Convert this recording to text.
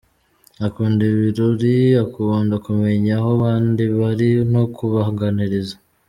Akunda ibirori, akunda kumenya aho bandi bari no kubaganiriza.